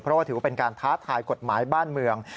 เพราะว่าถือว่าเป็นการท้าทายกฎหมายบ้านเมือง